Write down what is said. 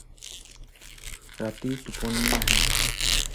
ৰাতি টোপনী নাহে